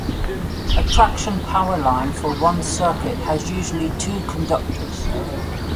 A traction powerline for one circuit has usually two conductors.